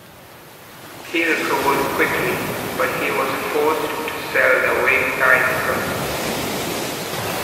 He recovered quickly, but he was forced to sell the Wayside Press.